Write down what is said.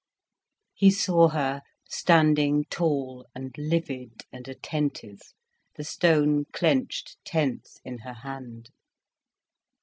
He saw her standing tall and livid and attentive, the stone clenched tense in her hand.